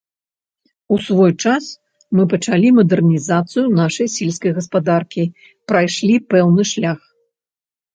У свой час мы пачалі мадэрнізацыю нашай сельскай гаспадаркі, прайшлі пэўны шлях.